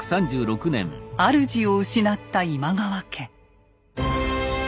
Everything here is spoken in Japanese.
主を失った今川家。